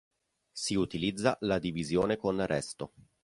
Si utilizza la divisione con resto.